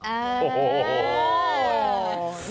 โอ้โห